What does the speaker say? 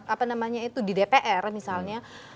apa namanya itu di dpr misalnya